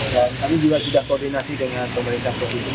dan kami juga sudah koordinasi dengan pemerintah provinsi